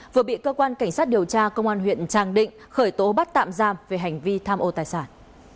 vừa bị cơ quan cảnh sát điều tra công an huyện tràng định khởi tố bắt tạm giam về hành vi tham ô tài sản